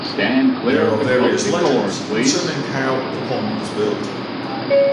There are various legends concerning how the pond was built.